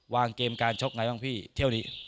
เกมการชกไงบ้างพี่เที่ยวนี้